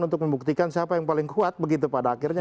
untuk membuktikan siapa yang paling kuat begitu pada akhirnya